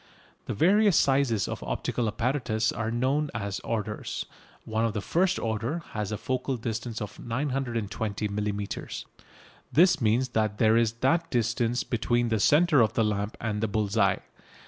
The various sizes of optical apparatus are known as "orders." One of the "first order" has a focal distance of 920 millimetres. This means that there is that distance between the centre of the lamp and the bull's eye.